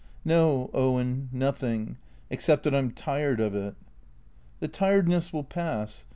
" No, Owen, nothing ; except that I 'm tired of it." " The tiredness will pass.